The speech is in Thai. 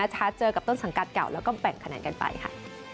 เจอกับต้นสังกัดเก่าแล้วก็แบ่งคะแนนกันไปค่ะ